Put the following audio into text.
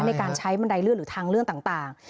ในการใช้บันไดเลื่อนหรือทางเลื่อนต่าง